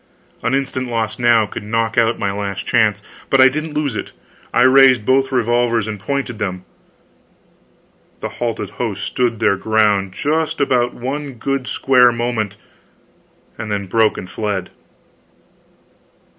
An instant lost now could knock out my last chance. But I didn't lose it. I raised both revolvers and pointed them the halted host stood their ground just about one good square moment, then broke and fled.